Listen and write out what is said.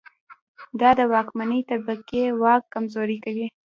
دا د واکمنې طبقې واک کمزوری کوي.